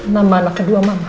nama anak kedua mamah